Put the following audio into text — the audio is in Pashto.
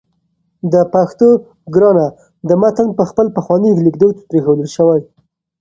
د پښتو ګرانه ده متن په خپل پخواني لیکدود پرېښودل شوی